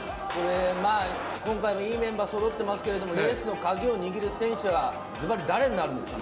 今回もいいメンバーがそろっていますけどレースのカギを握る選手はズバリ誰ですかね？